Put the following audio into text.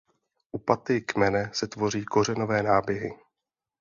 U paty kmene se tvoří kořenové náběhy.